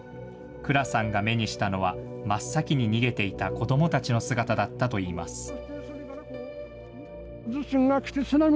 蔵さんが目にしたのは、真っ先に逃げていた子どもたちの姿だったといいます。